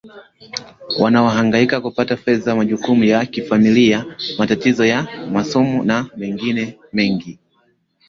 wanaohangaika kupata fedha majukumu ya kifamilia matatizo ya masomo na mengine mengi